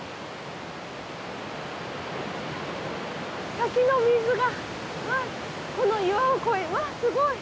滝の水がこの岩を越えてうわすごい。